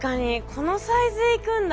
このサイズ行くんだ。